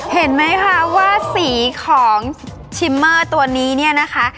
เห็นไหมคะว่าสีของชิมเมอร์ตัวนี้เนี่ยนะคะ